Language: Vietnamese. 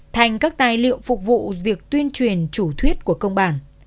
thành các tài liệu phục vụ việc tuyên truyền chủ thuyết của công bản